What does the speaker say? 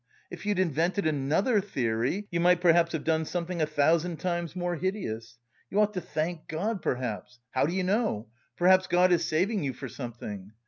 If you'd invented another theory you might perhaps have done something a thousand times more hideous. You ought to thank God, perhaps. How do you know? Perhaps God is saving you for something.